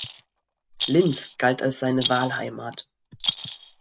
Linz galt als seine Wahlheimat.